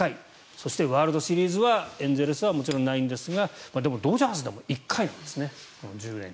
そして、ワールドシリーズはエンゼルスはもちろんないんですがでも、ドジャースでもこの１０年間で１回なんですね。